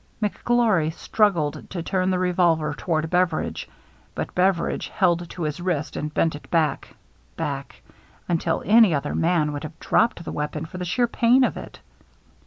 McGlory struggled to turn the re volver toward Beveridge ; but Beveridge held to his wrist and bent it back — back — until any other man must have dropped the weapon for the sheer pain of it.